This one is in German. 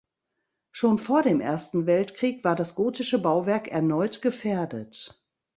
Schon vor dem Ersten Weltkrieg war das gotische Bauwerk erneut gefährdet.